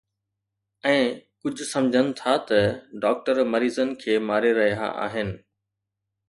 ۽ ڪجهه سمجهن ٿا ته ڊاڪٽر مريضن کي ماري رهيا آهن.